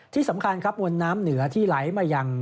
ที่สำคัญครับมวลน้ำเหนือที่ไหลมายัง